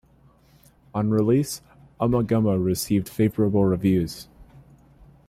On release, "Ummagumma" received favourable reviews.